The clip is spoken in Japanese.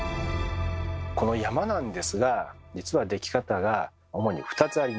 この「山」なんですが実はでき方が主に２つあります。